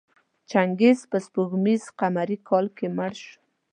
چنګیز په سپوږمیز قمري کال کې مړ شو.